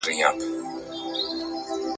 کله به رڼا سي، وايي بله ورځ